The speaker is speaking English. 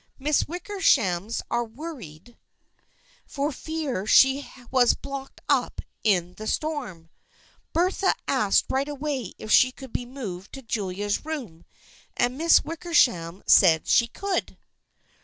The Miss Wickershams are worried 150 THE FRIENDSHIP OF ANNE for fear she was blocked up in the storm. Bertha asked right away if she could be moved to Julia's room, and Miss Wickersham said she could."